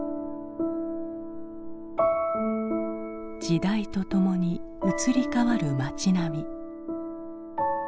時代とともに移り変わる町並み。